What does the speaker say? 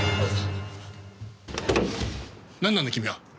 なんなんだ君は！